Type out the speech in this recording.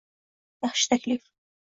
Yaxshi taklif -